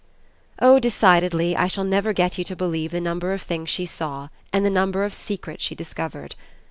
Oh decidedly I shall never get you to believe the number of things she saw and the number of secrets she discovered!